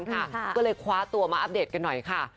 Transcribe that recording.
ก็เลยคว้าตัวมาอัปเดตกันหน่อยค่ะ